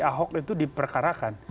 ahok itu diperkarakan